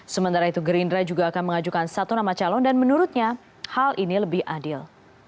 sementara itu gerindra juga akan mengajukan satu nama calon dan menurutnya hal ini lebih adil